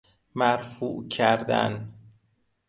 مرفوع کردن